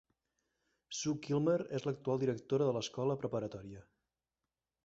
Sue Kilmer és l'actual directora de l'escola preparatòria.